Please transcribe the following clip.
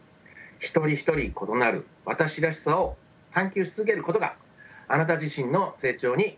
一人一人異なる「私らしさ」を探究し続けることがあなた自身の成長につながっていきます。